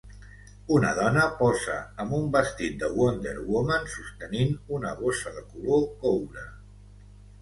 Una dona posa amb un vestit de Wonder Woman sostenint una bossa de color coure.